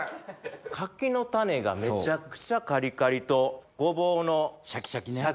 柿の種がめちゃくちゃカリカリとごぼうのシャキシャキ。